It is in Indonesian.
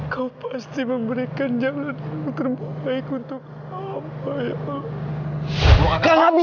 kau pasti memberikan jalan terbaik untuk hamba ya allah